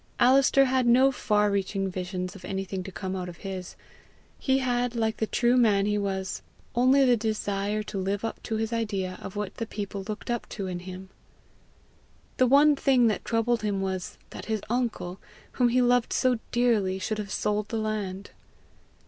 Alister had no far reaching visions of anything to come out of his; he had, like the true man he was, only the desire to live up to his idea of what the people looked up to in him. The one thing that troubled him was, that his uncle, whom he loved so dearly, should have sold the land.